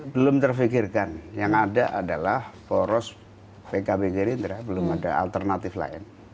belum terfikirkan yang ada adalah poros pkb gerindra belum ada alternatif lain